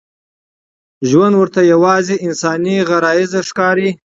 ژوند ورته یوازې انساني غرايز ښکاري.